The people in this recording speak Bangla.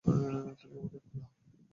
তুমি আমাদের থেনা।